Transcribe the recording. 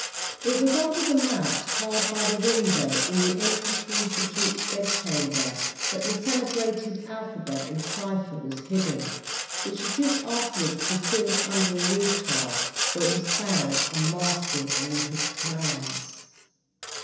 It was under the mat, hard by a window in the entry towards the duke's bedchamber, that the celebrated alphabet in cipher was hidden, which the duke afterwards concealed under a roof tile, where it was found, unmasking all his plans.